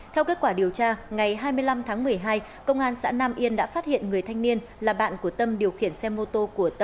theo kết quả điều tra ngày hai mươi năm tháng một mươi hai công an xã nam yên đã phát hiện người thanh niên là bạn của tâm điều khiển xe mô tô của tâm